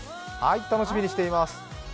楽しみにしています。